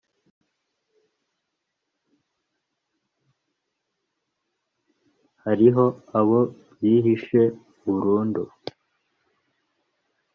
hariho abo byihishe burundu,